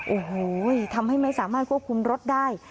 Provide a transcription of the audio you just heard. โอ้โหทำให้ไม่สามารถควบคุมรถได้